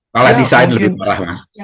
kalau desain lebih parah mas